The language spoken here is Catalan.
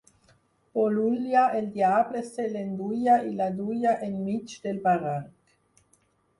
Bolulla, el diable se l'enduia i la duia enmig del barranc.